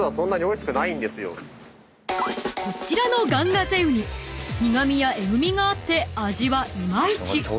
［こちらのガンガゼウニ苦味やえぐみがあって味はいまいち］